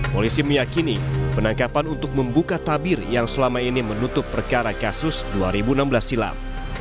polisi meyakini penangkapan untuk membuka tabir yang selama ini menutup perkara kasus dua ribu enam belas silam